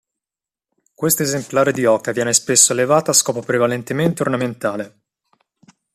Questo esemplare di oca viene spesso allevata a scopo prevalentemente ornamentale.